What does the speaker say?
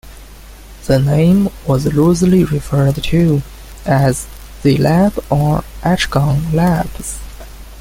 The name was loosely referred to as "The Lab" or "H-Gun Labs.